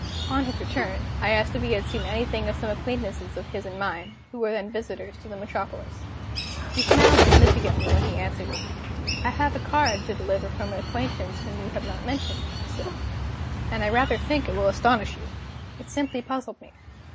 On his return, I asked if he had seen anything of some acquaintances of his and of mine, who were then visitors to the metropolis. He smiled significantly when he answered me. "I have a card to deliver from an acquaintance whom you have not mentioned," he said; "and I rather think it will astonish you." It simply puzzled me.